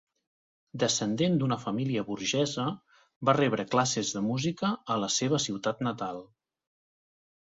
Descendent d'una família burgesa, va rebre classes de música a la seva ciutat natal.